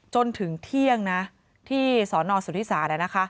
จนถึงเที่ยงที่สอนอสุธิศาสตร์แล้ว